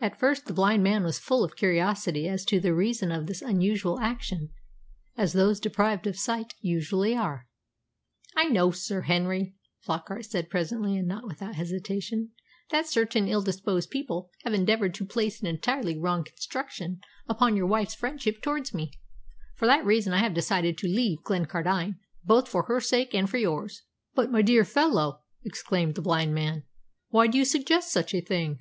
At first the blind man was full of curiosity as to the reason of this unusual action, as those deprived of sight usually are. "I know, Sir Henry," Flockart said presently, and not without hesitation, "that certain ill disposed people have endeavoured to place an entirely wrong construction upon your wife's friendship towards me. For that reason I have decided to leave Glencardine, both for her sake and for yours." "But, my dear fellow," exclaimed the blind man, "why do you suggest such a thing?"